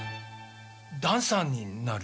ダンサーになる？